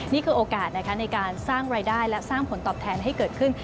นี่คือโอกาสนะคะในการสร้างรายได้และสร้างผลตอบแทนให้เกิดขึ้น